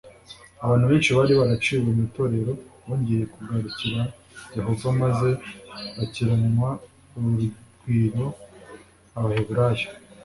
abantu benshi bari baraciwe mu itorero bongeye kugarukira yehova maze bakiranwa urugwiro abaheburayo